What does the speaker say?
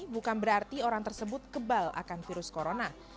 bukan berarti orang tersebut kebal akan virus corona